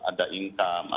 ada income ada perputaran